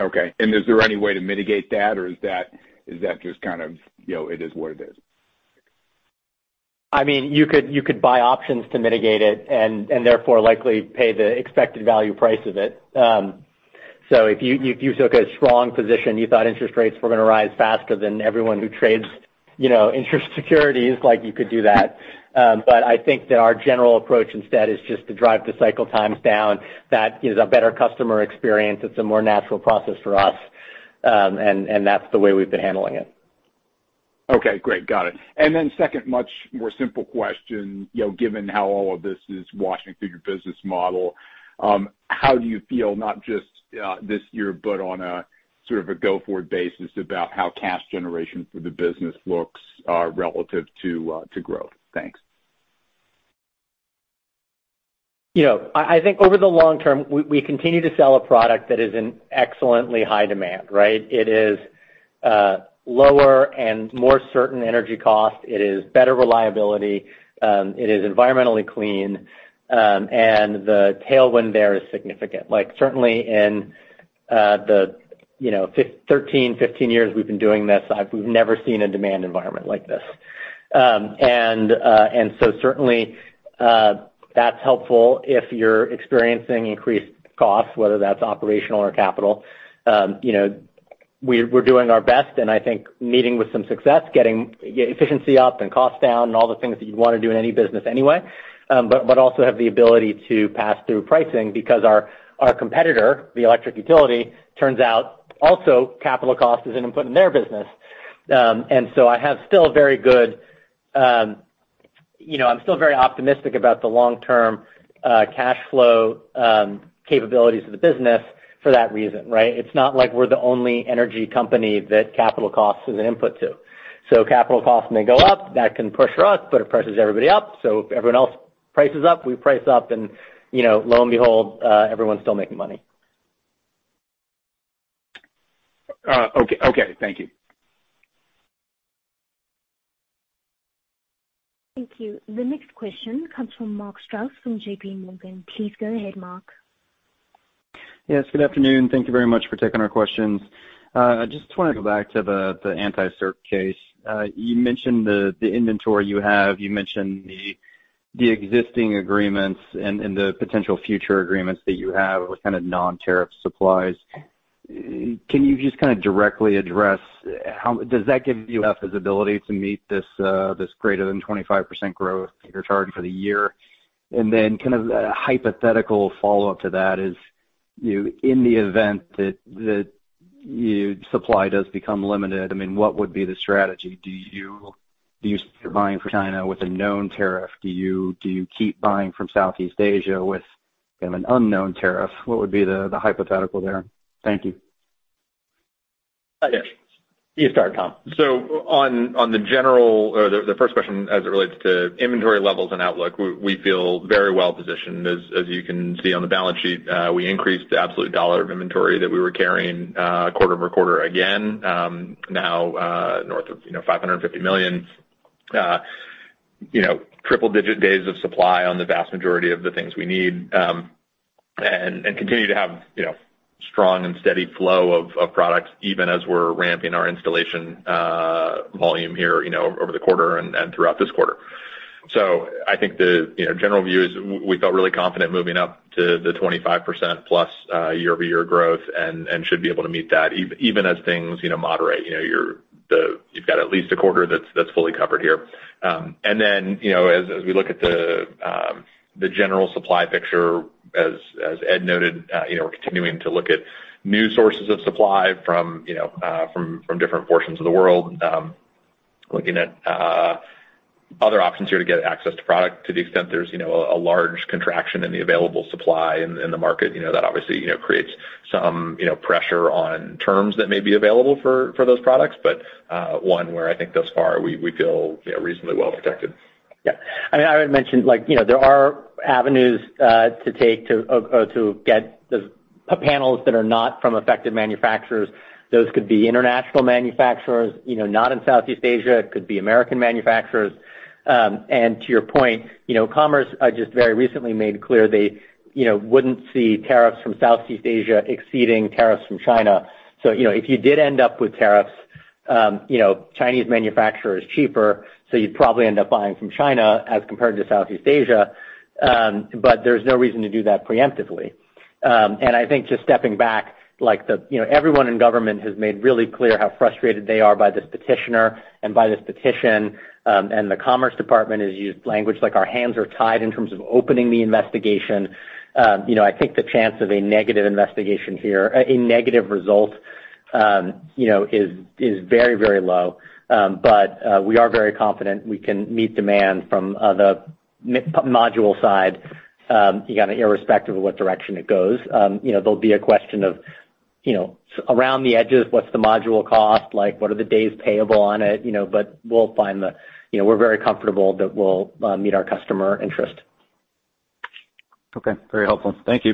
Okay. Is there any way to mitigate that, or is that just kind of, you know, it is what it is? I mean, you could buy options to mitigate it and therefore likely pay the expected value price of it. If you took a strong position, you thought interest rates were gonna rise faster than everyone who trades, you know, interest securities, like you could do that. I think that our general approach instead is just to drive the cycle times down. That is a better customer experience. It's a more natural process for us. That's the way we've been handling it. Okay, great. Got it. Second, much more simple question. You know, given how all of this is washing through your business model, how do you feel not just this year but on a sort of a go-forward basis about how cash generation for the business looks, relative to growth? Thanks. You know, I think over the long term, we continue to sell a product that is in excellently high demand, right? It is lower and more certain energy cost. It is better reliability. It is environmentally clean. And the tailwind there is significant. Like, certainly in the, you know, 13, 15 years we've been doing this, we've never seen a demand environment like this. And so certainly, that's helpful if you're experiencing increased costs, whether that's operational or capital. You know, we're doing our best, and I think meeting with some success, getting efficiency up and costs down and all the things that you'd wanna do in any business anyway. But also have the ability to pass through pricing because our competitor, the electric utility, turns out, also, capital cost is an input in their business. You know, I'm still very optimistic about the long-term cash flow capabilities of the business for that reason, right? It's not like we're the only energy company that capital costs is an input to. Capital costs may go up, that can pressure us, but it pressures everybody up. If everyone else prices up, we price up and, you know, lo and behold, everyone's still making money. Okay, thank you. Thank you. The next question comes from Mark Strouse from JP Morgan. Please go ahead, Mark. Yes, good afternoon. Thank you very much for taking our questions. I just wanna go back to the anti-circumvention case. You mentioned the inventory you have. You mentioned the existing agreements and the potential future agreements that you have with kind of non-tariff supplies. Can you just kinda directly address how does that give you a visibility to meet this greater than 25% growth that you're targeting for the year? Then kind of a hypothetical follow-up to that is, you know, in the event that your supply does become limited, I mean, what would be the strategy? Do you see yourself buying from China with a known tariff? Do you keep buying from Southeast Asia with kind of an unknown tariff? What would be the hypothetical there? Thank you. Yes. You start, Tom. On the general or the first question as it relates to inventory levels and outlook, we feel very well positioned. As you can see on the balance sheet, we increased the absolute dollar of inventory that we were carrying quarter-over-quarter again, now north of, you know, $550 million. You know, triple-digit days of supply on the vast majority of the things we need, and continue to have, you know, strong and steady flow of products even as we're ramping our installation volume here, you know, over the quarter and throughout this quarter. I think the general view is we felt really confident moving up to the 25%+ year-over-year growth and should be able to meet that even as things moderate. You know, you've got at least a quarter that's fully covered here. You know, as we look at the general supply picture, as Ed noted, you know, we're continuing to look at new sources of supply from different portions of the world. Looking at other options here to get access to product to the extent there's a large contraction in the available supply in the market. You know, that obviously creates some pressure on terms that may be available for those products, but one where I think thus far we feel reasonably well protected. Yeah. I mean, I already mentioned like, you know, there are avenues to take to get the panels that are not from affected manufacturers. Those could be international manufacturers, you know, not in Southeast Asia. It could be American manufacturers. To your point, you know, Commerce just very recently made clear they, you know, wouldn't see tariffs from Southeast Asia exceeding tariffs from China. You know, if you did end up with tariffs, you know, Chinese manufacturer is cheaper, so you'd probably end up buying from China as compared to Southeast Asia, but there's no reason to do that preemptively. I think just stepping back, like, you know, everyone in government has made really clear how frustrated they are by this petitioner and by this petition. The Commerce Department has used language like, "Our hands are tied in terms of opening the investigation." You know, I think the chance of a negative investigation here, a negative result, you know, is very low. But we are very confident we can meet demand from the module side, you know, irrespective of what direction it goes. You know, there'll be a question of, you know, around the edges, what's the module cost? Like, what are the days payable on it? You know, we're very comfortable that we'll meet our customer interest. Okay. Very helpful. Thank you.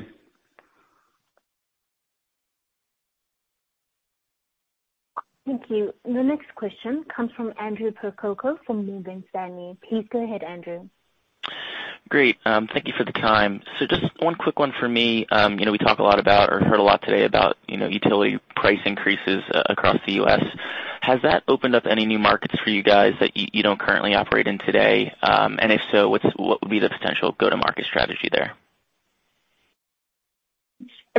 Thank you. The next question comes from Andrew Percoco from Morgan Stanley. Please go ahead, Andrew. Great. Thank you for the time. Just one quick one for me. You know, we heard a lot today about, you know, utility price increases across the U.S. Has that opened up any new markets for you guys that you don't currently operate in today? If so, what would be the potential go-to-market strategy there?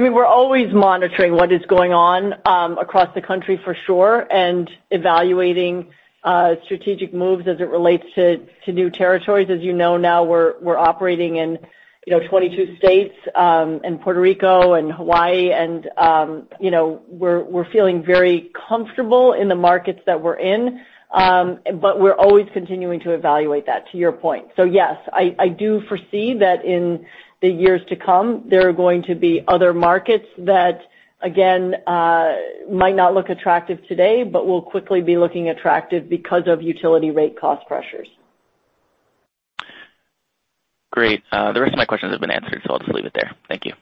I mean, we're always monitoring what is going on across the country for sure, and evaluating strategic moves as it relates to new territories. As you know, now we're operating in, you know, 22 states, and Puerto Rico and Hawaii and, you know, we're feeling very comfortable in the markets that we're in. We're always continuing to evaluate that, to your point. Yes, I do foresee that in the years to come, there are going to be other markets that, again, might not look attractive today, but will quickly be looking attractive because of utility rate cost pressures. Great. The rest of my questions have been answered, so I'll just leave it there. Thank you.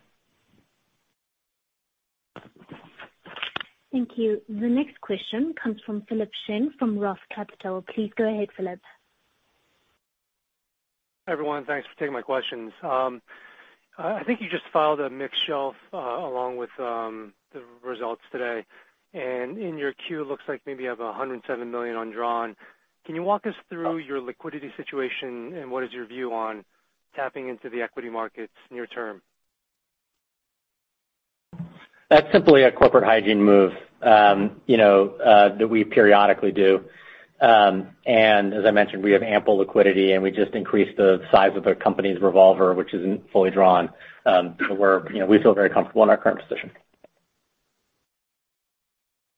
Thank you. The next question comes from Philip Shen from ROTH Capital. Please go ahead, Philip. Everyone, thanks for taking my questions. I think you just filed a mixed shelf along with the results today. In your 10-Q, it looks like maybe you have $107 million undrawn. Can you walk us through your liquidity situation and what is your view on tapping into the equity markets near term? That's simply a corporate hygiene move, you know, that we periodically do. As I mentioned, we have ample liquidity, and we just increased the size of the company's revolver, which isn't fully drawn. We're, you know, we feel very comfortable in our current position.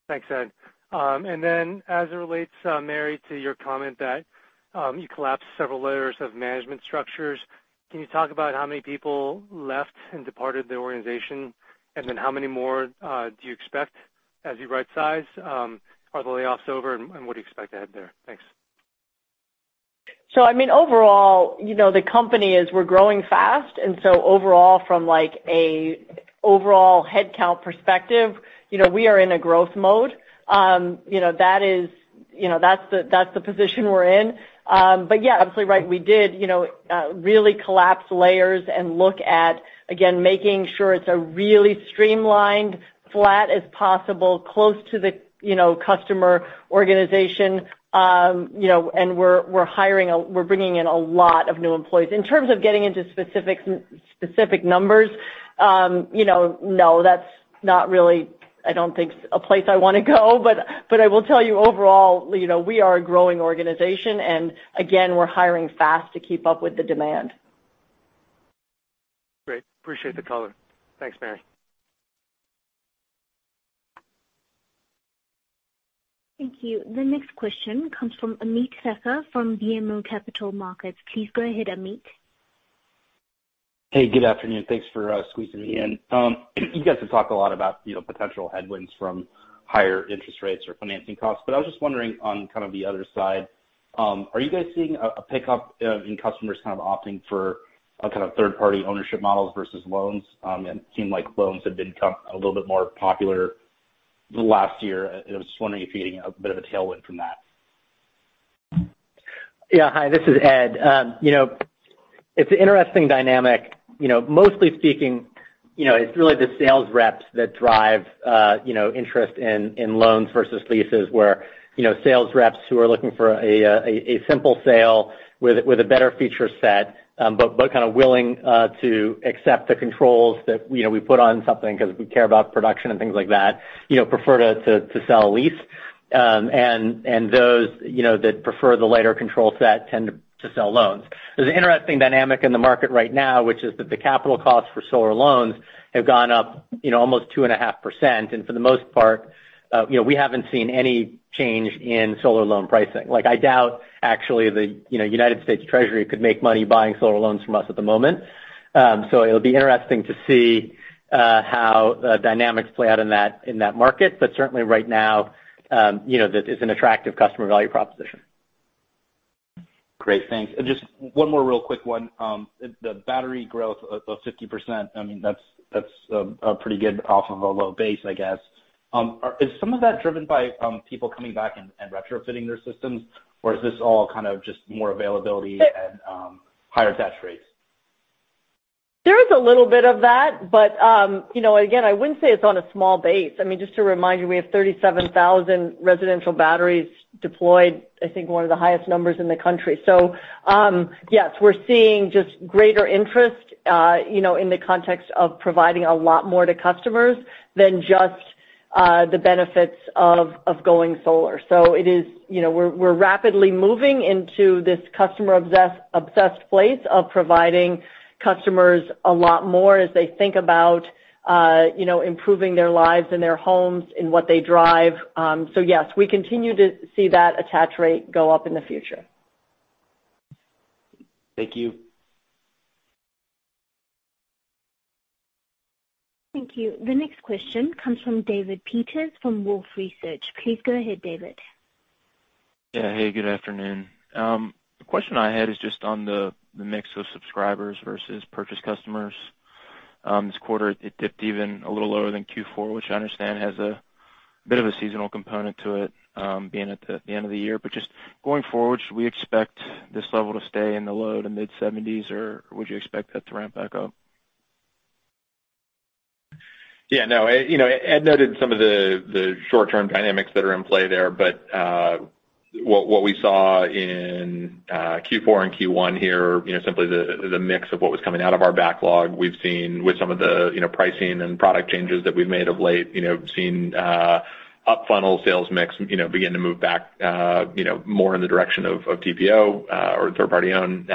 Thanks, Ed. As it relates, Mary, to your comment that you collapsed several layers of management structures, can you talk about how many people left and departed the organization, and then how many more do you expect as you right size? Are the layoffs over, and what do you expect ahead there? Thanks. I mean, overall. You know, the company is, we're growing fast, and overall from like a overall headcount perspective, you know, we are in a growth mode. You know, that is, you know, that's the position we're in. But yeah, absolutely right. We did, you know, really collapse layers and look at, again, making sure it's a really streamlined flat as possible close to the, you know, customer organization. You know, and we're bringing in a lot of new employees. In terms of getting into specific numbers, you know, no, that's not really, I don't think, a place I wanna go. But I will tell you overall, you know, we are a growing organization, and again, we're hiring fast to keep up with the demand. Great. Appreciate the color. Thanks, Mary. Thank you. The next question comes from Ameet Thakkar from BMO Capital Markets. Please go ahead, Ameet. Hey, good afternoon. Thanks for squeezing me in. You guys have talked a lot about, you know, potential headwinds from higher interest rates or financing costs, but I was just wondering on kind of the other side, are you guys seeing a pickup in customers kind of opting for a kind of third-party ownership models versus loans, and it seemed like loans have become a little bit more popular the last year. I was just wondering if you're getting a bit of a tailwind from that. Yeah. Hi, this is Ed. You know, it's an interesting dynamic. You know, mostly speaking, you know, it's really the sales reps that drive you know interest in loans versus leases, where you know sales reps who are looking for a simple sale with a better feature set, but kinda willing to accept the controls that you know we put on something 'cause we care about production and things like that, you know, prefer to sell a lease. Those you know that prefer the lighter control set tend to sell loans. There's an interesting dynamic in the market right now, which is that the capital costs for solar loans have gone up you know almost 2.5%. For the most part, you know, we haven't seen any change in solar loan pricing. Like, I doubt actually the you know, United States Treasury could make money buying solar loans from us at the moment. It'll be interesting to see how the dynamics play out in that market. Certainly right now, you know, it's an attractive customer value proposition. Great. Thanks. Just one more real quick one. The battery growth of 50%, I mean that's a pretty good off of a low base I guess. Is some of that driven by people coming back and retrofitting their systems, or is this all kind of just more availability and higher attach rates? There is a little bit of that, but, you know, again, I wouldn't say it's on a small base. I mean, just to remind you, we have 37,000 residential batteries deployed, I think one of the highest numbers in the country. Yes, we're seeing just greater interest, you know, in the context of providing a lot more to customers than just the benefits of going solar. It is. You know, we're rapidly moving into this customer-obsessed place of providing customers a lot more as they think about, you know, improving their lives and their homes and what they drive. Yes, we continue to see that attach rate go up in the future. Thank you. Thank you. The next question comes from David Peters from Wolfe Research. Please go ahead, David. Yeah. Hey, good afternoon. The question I had is just on the mix of subscribers versus purchase customers. This quarter it dipped even a little lower than Q4, which I understand has a bit of a seasonal component to it, being at the end of the year. Just going forward, should we expect this level to stay in the low- to mid-70s%, or would you expect that to ramp back up? Yeah, no. You know, Ed noted some of the short-term dynamics that are in play there, but what we saw in Q4 and Q1 here, you know, simply the mix of what was coming out of our backlog. We've seen with some of the, you know, pricing and product changes that we've made of late, you know, seen up funnel sales mix, you know, begin to move back, you know, more in the direction of TPO or third-party owned.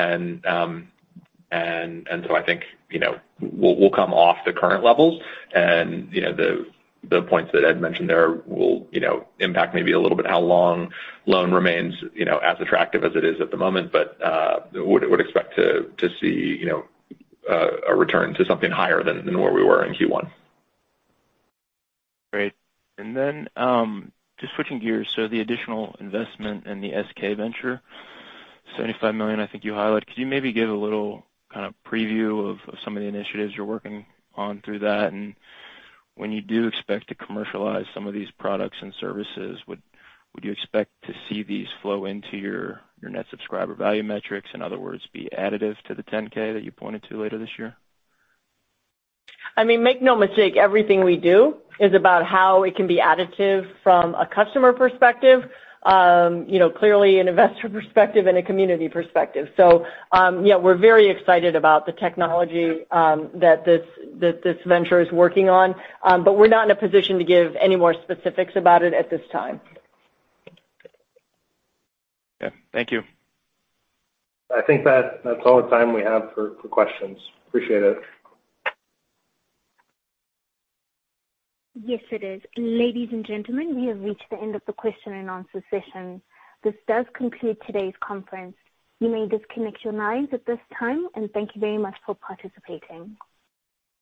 I think, you know, we'll come off the current levels. You know, the points that Ed mentioned there will, you know, impact maybe a little bit how long loan remains, you know, as attractive as it is at the moment. Would expect to see, you know, a return to something higher than where we were in Q1. Great. Just switching gears, the additional investment in the SK venture, $75 million, I think you highlighted. Could you maybe give a little kinda preview of some of the initiatives you're working on through that? When do you expect to commercialize some of these products and services? Would you expect to see these flow into your Net Subscriber Value metrics? In other words, be additive to the 10-K that you pointed to later this year. I mean, make no mistake, everything we do is about how it can be additive from a customer perspective, you know, clearly an investor perspective and a community perspective. Yeah, we're very excited about the technology that this venture is working on. But we're not in a position to give any more specifics about it at this time. Okay. Thank you. I think that's all the time we have for questions. Appreciate it. Yes, it is. Ladies and gentlemen, we have reached the end of the question and answer session. This does conclude today's conference. You may disconnect your lines at this time, and thank you very much for participating.